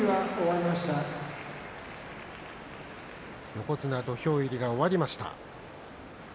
横綱土俵入りが終わりました。